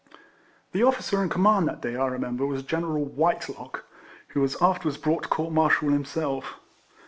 The officer in command that day, I remem ber, was General Whitelock, who was after wards brought to court martial himself.